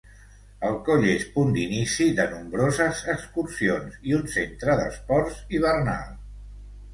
El coll és punt d'inici de nombroses excursions i un centre d'esports hivernal.